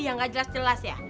yang gak jelas jelas ya